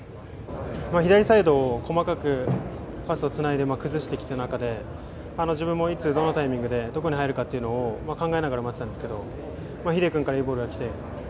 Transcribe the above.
左サイドを細かくパスをつないで崩してきた中で自分もいつどのタイミングでどこに入るかを考えながら待っていたんですがヒデ君からいいボールが来て。